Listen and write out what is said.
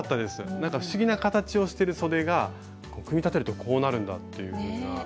なんか不思議な形をしてるそでが組み立てるとこうなるんだっていうような。